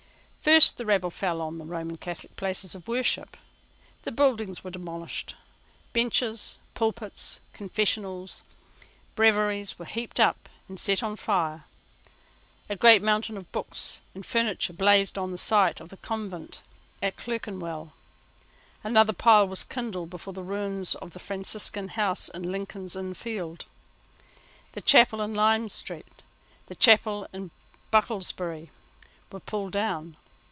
First the rabble fell on the Roman Catholic places of worship. The buildings were demolished. Benches, pulpits, confessionals, breviaries were heaped up and set on fire. A great mountain of books and furniture blazed on the site of the convent at Clerkenwell. Another pile was kindled before the ruins of the Franciscan house in Lincoln's Inn Fields. The chapel in Lime Street, the chapel in Bucklersbury, were pulled down.